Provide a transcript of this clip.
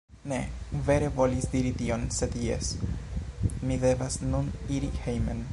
Ne, vere volis diri tion sed jes, mi devas nun iri hejmen